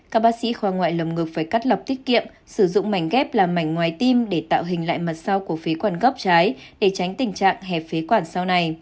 các bác sĩ khoa ngoại lồng ngực phải cắt lọc tiết kiệm sử dụng mảnh ghép làm mảnh ngoài tim để tạo hình lại mặt sau của phế quản gốc trái để tránh tình trạng hẹp phế quản sau này